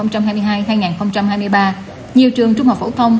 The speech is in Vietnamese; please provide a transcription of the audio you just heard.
trong năm hai nghìn hai mươi hai hai nghìn hai mươi ba nhiều trường trung học phổ thông